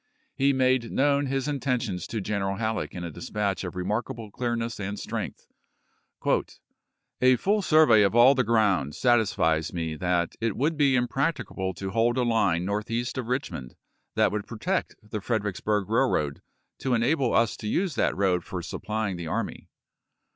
He made known his inten tions to General Halleck in a dispatch of remark june5,i864. able clearness and strength. " A full survey of all the ground satisfies me that it would be impracti cable to hold a line northeast of Richmond that would protect the Fredericksburg Railroad to enable us to use that road for supplyiug the army.